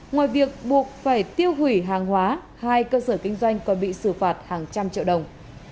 ngoài việc buộc phải tiêu hủy hàng hóa hai cơ sở kinh doanh còn bị xử phạt hàng trăm triệu đồng